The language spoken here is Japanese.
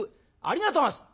「ありがとうございます！